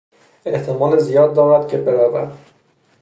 احتمال زیاد دارد که برود.